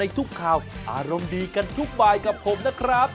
ทุกข่าวอารมณ์ดีกันทุกบายกับผมนะครับ